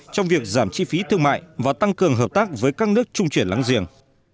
trong việc giảm chi phí thương mại và tăng cường hợp tác với các nước trung truyền lãng giềng